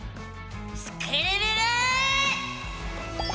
スクるるる！